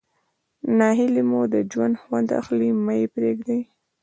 ناهلي مو د ژوند خوند اخلي مه ئې پرېږدئ.